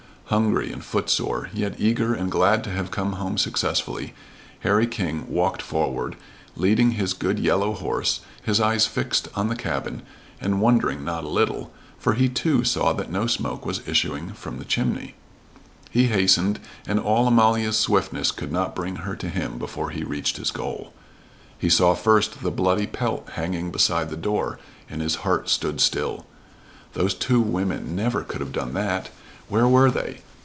Hungry and footsore, yet eager and glad to have come home successfully, Harry King walked forward, leading his good yellow horse, his eyes fixed on the cabin, and wondering not a little; for he, too, saw that no smoke was issuing from the chimney. He hastened, and all Amalia's swiftness could not bring her to him before he reached his goal. He saw first the bloody pelt hanging beside the door, and his heart stood still. Those two women never could have done that! Where were they?